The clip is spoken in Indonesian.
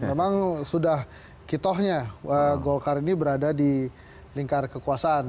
memang sudah kitohnya golkar ini berada di lingkar kekuasaan